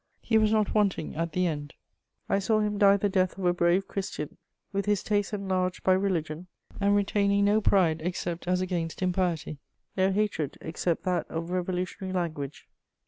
He was not wanting at the end; I saw him die the death of a brave Christian, with his taste enlarged by religion, and retaining no pride except as against impiety, no hatred except that of "Revolutionary language." [Sidenote: Death of M. de La Harpe.